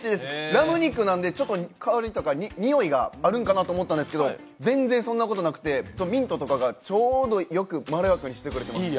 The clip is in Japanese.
ラム肉なので臭いがあるんかなと思ったんですけど、全然そんなことなくて、ミントとかがちょうどよくまろやかにしてくれてます。